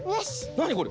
なにこれ？